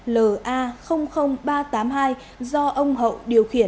l a ba trăm tám mươi hai do ông hậu điều khiển